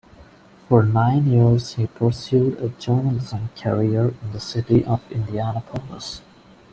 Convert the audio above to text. For nine years he pursued a journalism career in the city of Indianapolis.